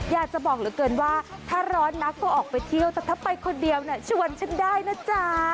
อยากจะบอกเหลือเกินว่าถ้าร้อนนักก็ออกไปเที่ยวแต่ถ้าไปคนเดียวเนี่ยชวนฉันได้นะจ๊ะ